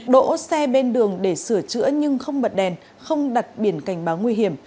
đỗ xe bên đường để sửa chữa nhưng không bật đèn không đặt biển cảnh báo nguy hiểm